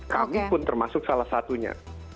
kami pun termasuk salah satunya